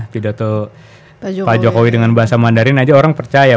pidato pak jokowi dengan bahasa mandarin aja orang percaya